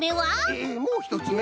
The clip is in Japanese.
ええっもうひとつめ？